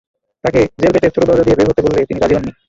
তাঁকে জেলগেটের ছোট দরজা দিয়ে বের হতে বললে তিনি রাজি হননি।